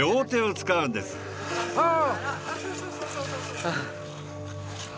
ああ！